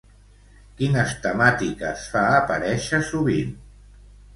Quines temàtiques fa aparèixer sovint?